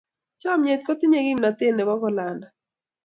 Chomnyet kotinyei kimnatet nebo kolanda.